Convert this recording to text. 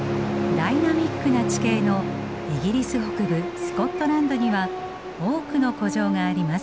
ダイナミックな地形のイギリス北部スコットランドには多くの古城があります。